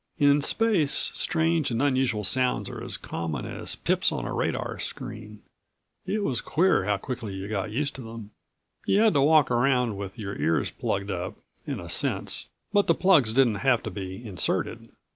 In space strange and unusual sounds are as common as pips on a radar screen. It was queer how quickly you got used to them. You had to walk around with your ears plugged up, in a sense, but the plugs didn't have to be inserted.